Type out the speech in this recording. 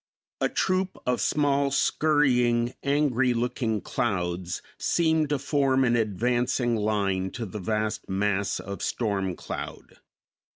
A troop of small, scurrying, angry looking clouds seemed to form an advancing line to the vast mass of storm cloud.